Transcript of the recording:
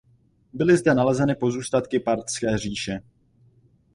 Byly zde nalezeny pozůstatky parthské říše.